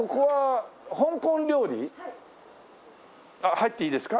入っていいですか？